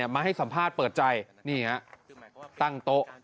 มาให้สัมภาษณ์เปิดใจนี่ฮะตั้งโต๊ะ